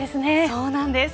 そうなんです。